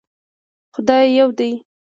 خدای يو دی